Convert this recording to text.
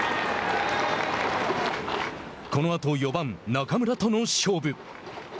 このあと４番、中村との勝負。